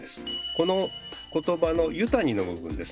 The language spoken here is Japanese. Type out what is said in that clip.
この言葉の「湯谷」の部分ですね。